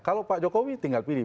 kalau pak jokowi tinggal pilih